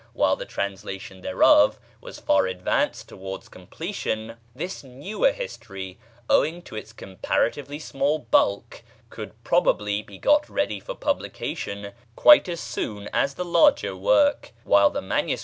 while the translation thereof was far advanced towards completion, this newer history, owing to its comparatively small bulk, could probably be got ready for publication quite as soon as the larger work, while the MS.